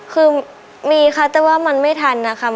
คือมีค่ะแต่ว่ามันไม่ทันนะคะ